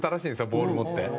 ボール持って。